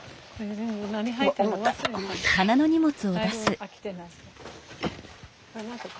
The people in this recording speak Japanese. はい。